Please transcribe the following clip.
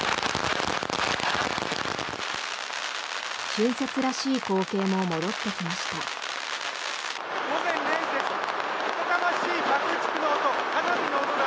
春節らしい光景も戻ってきました。